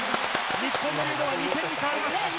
日本のリードが２点に変わりました。